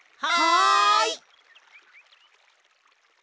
はい！